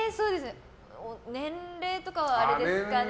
年齢とかは、あれですかね？